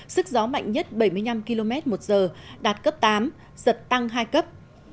sức gió mạnh nhất bảy mươi năm km một giờ đạt cấp tám giật tăng hai cấp